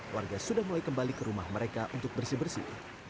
warga sudah mulai kembali ke rumah mereka untuk bersih bersih